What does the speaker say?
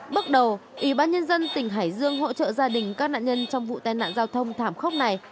bước đầu ủy ban nhân dân tỉnh hải dương hỗ trợ gia đình các nạn nhân trong vụ tai nạn giao thông thảm khốc này